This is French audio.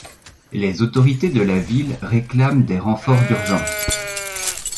Les autorités de la ville réclament des renforts d'urgence.